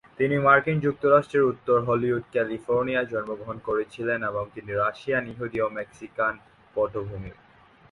তিনি মার্কিন যুক্তরাষ্ট্রের উত্তর হলিউড, ক্যালিফোর্নিয়ায় জন্মগ্রহণ করেছিলেন এবং তিনি রাশিয়ান, ইহুদি এবং মেক্সিকান পটভূমির।